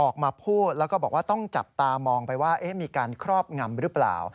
กรณีนี้ทางด้านของประธานกรกฎาได้ออกมาพูดแล้ว